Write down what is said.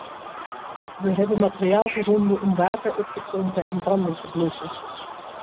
We hebben materiaal gezonden om water op te pompen en branden te blussen.